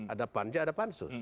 ada panja ada pansus